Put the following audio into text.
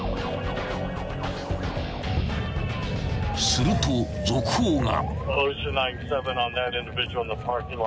［すると続報が］